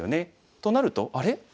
となるとあれ？